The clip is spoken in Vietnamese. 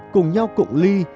cùng nhau cụng ly